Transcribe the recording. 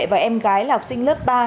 và em gái là học sinh lớp ba